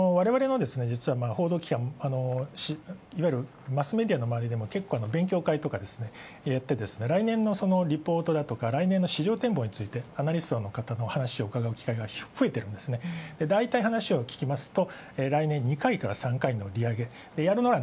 報道機関いわゆるマスメディアのまわりでも勉強会とかいって来年のリポートだとか来年の市場展望についてアナリストの方の話を聞く機会が増えてだいたい話を聞きますとだいたい２回から３回の利上げ。